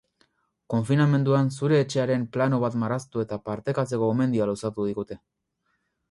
Konfinamenduan zure etxearen plano bat marraztu eta partekatzeko gomendioa luzatu digute.